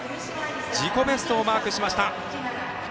自己ベストをマークしました。